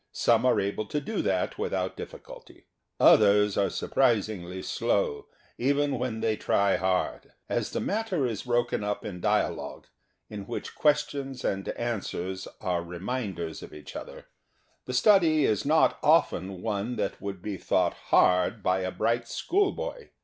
Some are able to do that without difficulty. Others are surprisingly slow even when they try hard. As the mat ter is brohen up in dialogue, in which questions and answers are reminders of each other, the study is not often one that would be thought hard by a bright schoolboy.